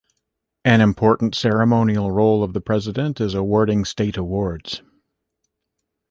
An important ceremonial role of the President is awarding state awards.